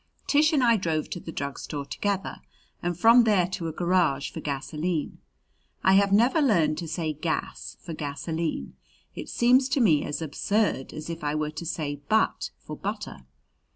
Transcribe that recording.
Tish and I drove to the drug store together, and from there to a garage for gasoline. I have never learned to say "gas" for gasoline. It seems to me as absurd as if I were to say "but" for butter.